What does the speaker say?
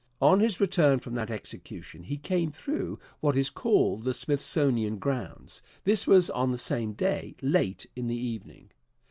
On his return from that execution he came through what is called the Smithsonian grounds. This was on the same day, late in the evening.